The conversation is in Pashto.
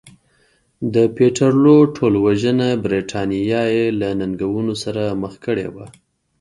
د پیټرلو ټولوژنه برېټانیا یې له ننګونو سره مخ کړې وه.